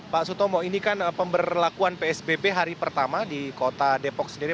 pak sutomo ini kan pemberlakuan psbb hari pertama di kota depok sendiri